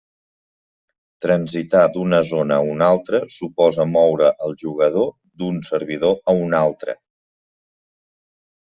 Transitar d'una zona a una altra suposa moure al jugador d'un servidor a un altre.